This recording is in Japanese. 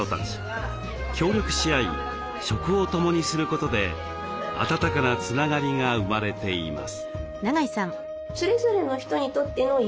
協力し合い食を共にすることで温かなつながりが生まれています。